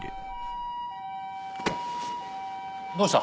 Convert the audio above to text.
どうした？